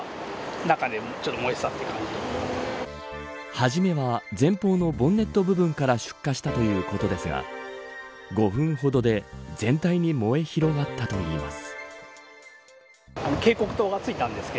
初めは前方のボンネット部分から出火したということですが５分ほどで全体に燃え広がったといいます。